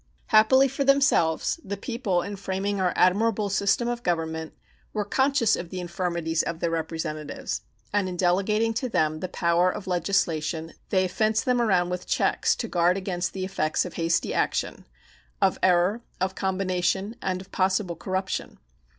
Happily for themselves, the people in framing our admirable system of government were conscious of the infirmities of their representatives, and in delegating to them the power of legislation they have fenced them around with checks to guard against the effects of hasty action, of error, of combination, and of possible corruption.